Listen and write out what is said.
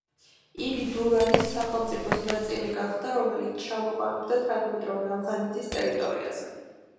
იგი დურანის სახელმწიფოს ნაწილი გახდა, რომელიც ჩამოყალიბდა თანამედროვე ავღანეთის ტერიტორიაზე.